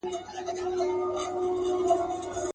هم یې وروڼه هم ورېرونه وه وژلي.